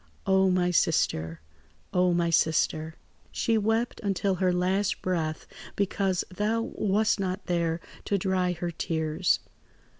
"Oh, my sister! Oh, my sister! "She wept until her last breath, because thou wast not there to dry her tears.